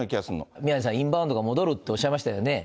宮根さん、インバウンドが戻るっておっしゃいましたよね。